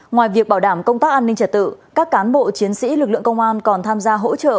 ngoài việc bảo đảm công tác an ninh trật tự các cán bộ chiến sĩ lực lượng công an còn tham gia hỗ trợ